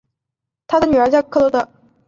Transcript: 他的女儿叫格萝德。